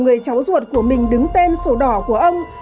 người cháu ruột của mình đứng tên sổ đỏ của ông